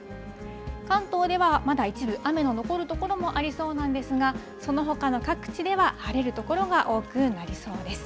関東ではまだ一部、雨の残る所もありそうなんですが、そのほかの各地では、晴れる所が多くなりそうです。